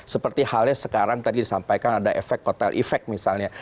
seperti halnya sekarang tadi disampaikan ada efek kotel efek misalnya